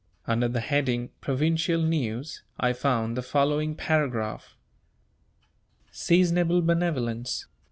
Under the heading "Provincial News," I found the following paragraph: "SEASONABLE BENEVOLENCE.